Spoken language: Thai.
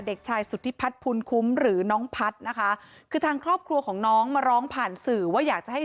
เด็กชายสุธิพัฒน์ภูมิคุ้มหรือน้องพัฒน์นะคะคือทางครอบครัวของน้องมาร้องผ่านสื่อว่าอยากจะให้